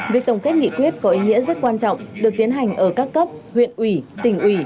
việc tổng kết nghị quyết có ý nghĩa rất quan trọng được tiến hành ở các cấp huyện ủy tỉnh ủy